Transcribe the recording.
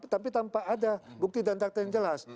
tapi tampak ada bukti dan taktik yang jelas